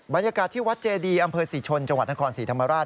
บรรยากาศที่วัดเจดีอำเภอศรีชนจังหวัดนครศรีธรรมราช